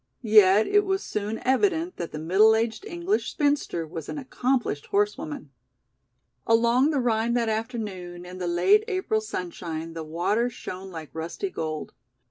Yet it was soon evident that the middle aged English spinster was an accomplished horsewoman. Along the Rhine that afternoon in the late April sunshine the water shone like rusty gold.